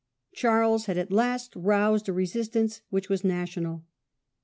Charles had at last roused a resistance which was national.